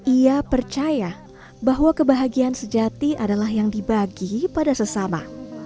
ia percaya bahwa kebahagiaan sejati adalah yang dibagi pada sesama